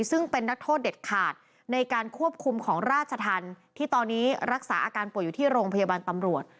ซึ่งเป็นนักโทษเด็ดขาดในการควบคุมของราชธรรมที่ตอนนี้รักษาอาการป่วยอยู่ที่โรงพยาบาลตำรวจ